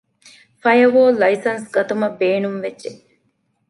ފަޔަރވޯލް ލައިސަންސް ގަތުމަށް ބޭނުންވެއްޖެ